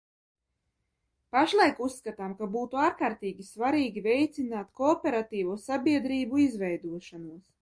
Pašlaik uzskatām, ka būtu ārkārtīgi svarīgi veicināt kooperatīvo sabiedrību izveidošanos.